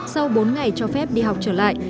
sau bốn ngày cho phép đi học trở lại